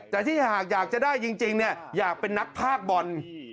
แต่ที่หากอยากจะได้จริงอยากเป็นนักภาคบอล